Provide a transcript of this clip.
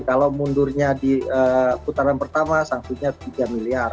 kalau mundurnya di putaran pertama sanksinya tiga miliar